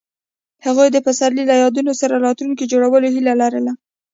هغوی د پسرلی له یادونو سره راتلونکی جوړولو هیله لرله.